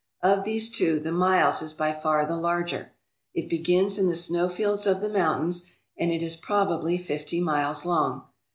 Of these two the Miles is by far the larger. It begins in the snowfields of the mountains and it is probably fifty miles long.